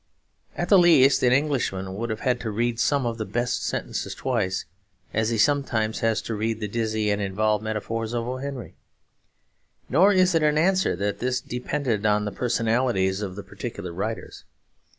At the least an Englishman would have had to read some of the best sentences twice, as he sometimes has to read the dizzy and involved metaphors of O. Henry. Nor is it an answer that this depended on the personalities of the particular writers.